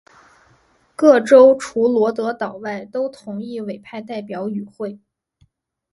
各州除罗德岛外都同意委派代表与会。